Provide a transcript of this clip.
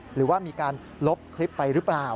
หรือว่ามีการลบคลิปไปหรือเปล่า